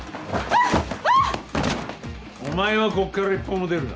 お前はこっから一歩も出るな。